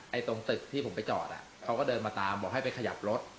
ตรงตึกที่ผมไปจอดเขาก็เดินมาตามบอกให้ไปขยับรถ